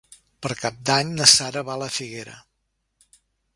Per Cap d'Any na Sara va a la Figuera.